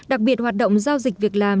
đặc biệt hoạt động giao dịch việc làm